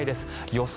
予想